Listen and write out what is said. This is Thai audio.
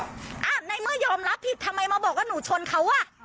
อ่ะในเมื่อยอมรับผิดทำไมมาบอกว่าหนูชนเขาอ่ะ